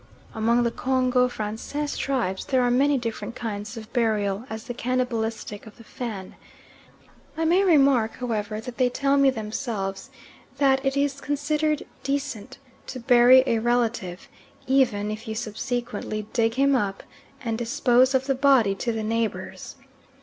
Among the Congo Francais tribes there are many different kinds of burial as the cannibalistic of the Fan. I may remark, however, that they tell me themselves that it is considered decent to bury a relative, even if you subsequently dig him up and dispose of the body to the neighbours.